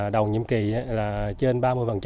đầu nhiệm kỳ là trên ba mươi